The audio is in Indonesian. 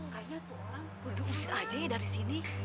kayaknya tuh orang berdua usir aja ya dari sini